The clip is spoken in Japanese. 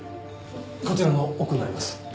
こちらの奥になります。